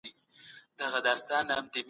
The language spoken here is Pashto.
د هېوادونو ترمنځ مقایسه په دقت سره وکړئ.